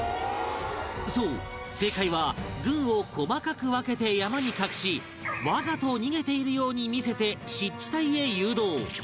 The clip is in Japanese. そう正解は軍を細かく分けて山に隠しわざと逃げているように見せて湿地帯へ誘導